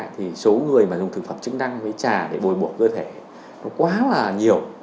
thì số người mà dùng thực phẩm chức năng với trà để bồi buộc cơ thể nó quá là nhiều